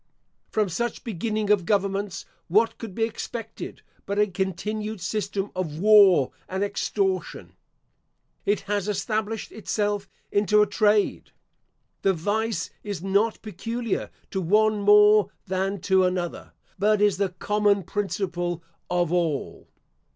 From such beginning of governments, what could be expected but a continued system of war and extortion? It has established itself into a trade. The vice is not peculiar to one more than to another, but is the common principle of all.